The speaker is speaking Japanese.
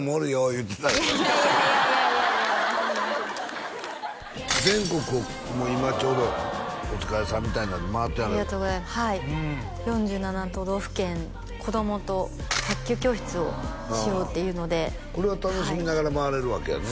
言うてたっていやいやいや全国を今ちょうどお疲れさんみたいなので回ってはるはい４７都道府県子供と卓球教室をしようっていうのでこれは楽しみながら回れるわけやね